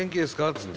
つって。